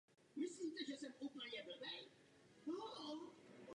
Sídlo obce se nachází v části zvané "Santa Lucia".